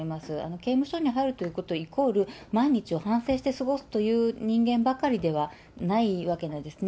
刑務所に入るということイコール、毎日を反省して過ごすという人間ばかりではないわけなんですね。